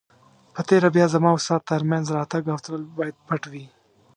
په تېره بیا زما او ستا تر مینځ راتګ او تلل باید پټ وي.